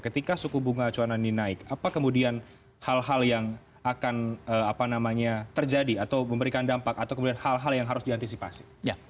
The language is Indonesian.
ketika suku bunga acuan ini naik apa kemudian hal hal yang akan terjadi atau memberikan dampak atau kemudian hal hal yang harus diantisipasi